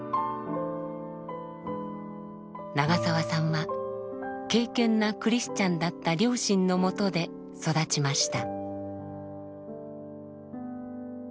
長澤さんは敬けんなクリスチャンだった両親のもとで育ちました。